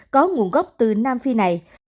có nguồn gốc từ nam phi này